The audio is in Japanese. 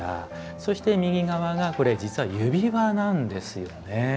そして右側がこれ実は指輪なんですよね。